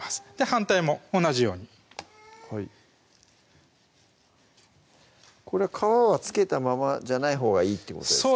反対も同じようにはい皮は付けたままじゃないほうがいいってことですか？